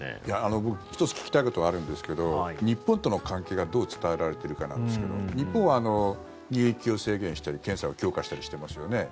僕、１つ聞きたいことがあるんですけど日本との関係がどう伝えられているかなんですが日本は入域を制限したり検査を強化したりしてますよね。